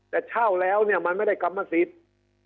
แต่เช่าแล้วเนี่ยมันไม่ได้กรรมสิทธิ์